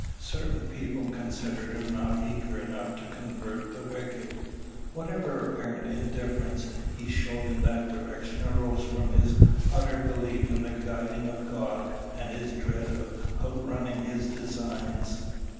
Certain people considered him not eager enough to convert the wicked: whatever apparent indifference he showed in that direction arose from his utter belief in the guiding of God, and his dread of outrunning his designs.